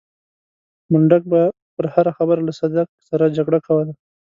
منډک به پر هره خبره له صدک سره جګړه کوله.